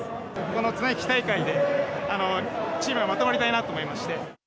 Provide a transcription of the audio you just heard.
この綱引き大会で、チームがまとまりたいなと思いまして。